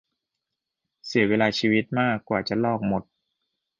เสียเวลาชีวิตมาก กว่าจะลอกหมด